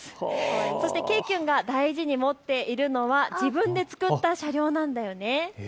そしてけいきゅんが大事に持っているのが自分で作った車両なんだよね。